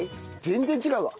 全然違うわ。